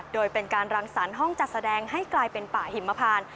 โดยเป็นการรังสรรค์ห้องจัดแสดงให้กลายเป็นป่าหิมพาน